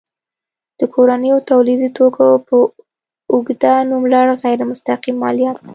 د کورنیو تولیدي توکو پر اوږده نوملړ غیر مستقیم مالیات.